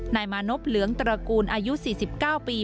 นายมานพเหลืองตระกูลอายุ๔๙ปี